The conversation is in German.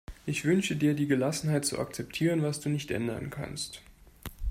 Ich wünsche dir die Gelassenheit, zu akzeptieren, was du nicht ändern kannst.